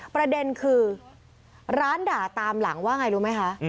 ประเด็นคือร้านด่าตามหลังว่าไงรู้ไหมคะ